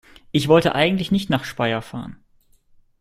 Ich wollte eigentlich nicht nach Speyer fahren